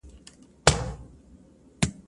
زه لوبه نه کوم!.